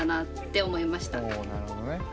おおなるほどね。